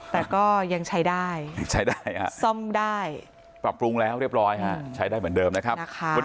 แต่ก็ยังใช้ได้ซ่อมได้ปรับปรุงแล้วเรียบร้อยใช้ได้เหมือนเดิมนะครับ